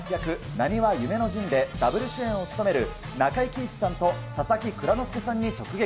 なにわ夢の陣で、ダブル主演を務める、中井貴一さんと佐々木蔵之介さんに直撃。